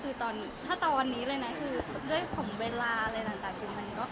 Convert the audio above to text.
แสวได้ไงของเราก็เชียนนักอยู่ค่ะเป็นผู้ร่วมงานที่ดีมาก